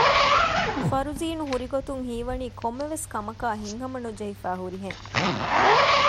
ފަރުޒީނު ހުރިގޮތުން ހީވަނީ ކޮންމެވެސް ކަމަކާއި ހިތްހަމަ ނުޖެހިފައި ހުރިހެން